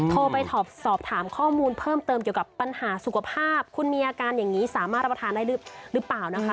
โทรไปสอบถามข้อมูลเพิ่มเติมเกี่ยวกับปัญหาสุขภาพคุณมีอาการอย่างนี้สามารถรับประทานได้หรือเปล่านะคะ